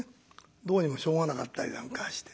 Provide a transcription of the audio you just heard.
どうにもしょうがなかったりなんかして。